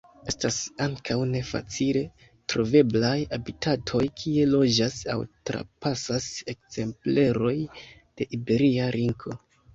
Estas ankaŭ ne facile troveblaj habitatoj kie loĝas aŭ trapasas ekzempleroj de Iberia linko.